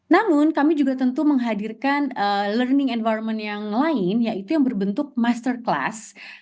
namun kami juga tentu menghadirkan learning environment yang lain yaitu yang berbentuk master class